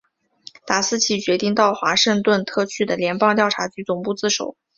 达斯奇决定到华盛顿特区的联邦调查局总部自首。